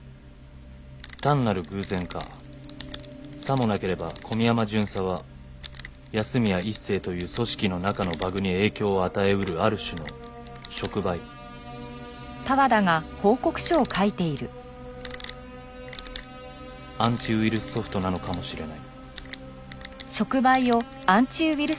「単なる偶然かさもなければ古宮山巡査は安洛一誠という組織の中のバグに影響を与え得るある種の“触媒”」「“アンチウイルスソフト”なのかもしれない」